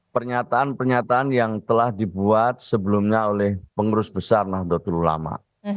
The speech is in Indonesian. pernyataan pernyataan yang telah dibuat sebelumnya oleh pengurus besar nahdlatul ulama